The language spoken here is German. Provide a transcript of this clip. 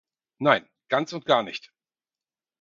Nein, ganz und gar nicht.